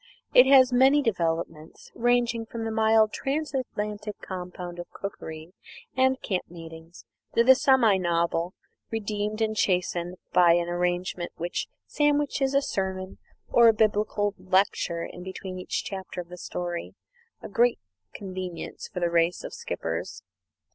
It has many developments; ranging from the mild Transatlantic compound of cookery and camp meetings, to the semi novel, redeemed and chastened by an arrangement which sandwiches a sermon or a biblical lecture between each chapter of the story a great convenience for the race of skippers.